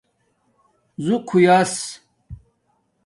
ژُق ہو یاس